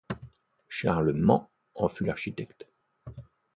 Charles Mant en fut l'architecte.